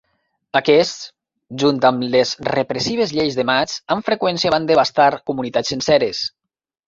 Aquests, junt amb les repressives Lleis de Maig, amb freqüència van devastar comunitats senceres.